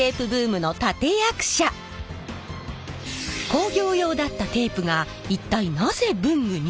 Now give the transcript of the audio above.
工業用だったテープが一体なぜ文具に？